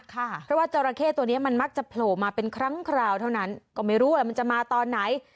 เพราะว่าจราเข้ตัวนี้มันมักจะโผล่มาเป็นครั้งคราวเท่านั้นก็ไม่รู้แหละมันจะมาตอนไหน